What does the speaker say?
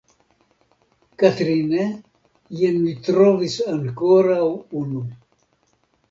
Katrine, jen mi trovis ankoraŭ unu.